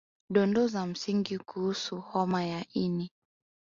Dondoo za msingi kuhusu homa ya ini